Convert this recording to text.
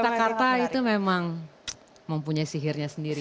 kata kata itu memang mempunyai sihirnya sendiri